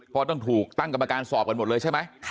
เพราะต้องถูกตั้งกรรมการสอบกันหมดเลยใช่ไหม